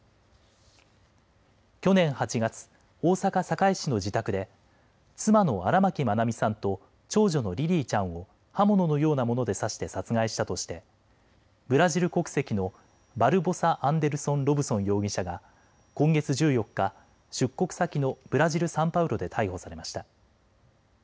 去年８月、大阪堺市の自宅で妻の荒牧愛美さんと長女のリリィちゃんを刃物のようなもので刺して殺害したとしてブラジル国籍のバルボサ・アンデルソン・ロブソン容疑者が今月１４日、出国先のブラジル・サンパウロで逮捕されました。